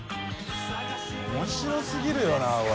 面白すぎるよなこれ。